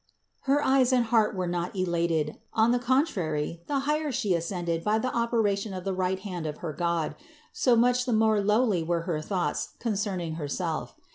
Her eyes and heart were not elated ; on the contrary the higher She ascended by the operation of the right hand of her God, so much the more lowly were her thoughts concerning Herself.